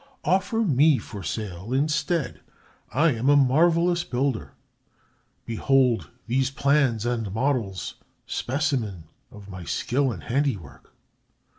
"Offer me for sale instead. I am a marvelous builder. Behold these plans and models, specimens of my skill and handiwork."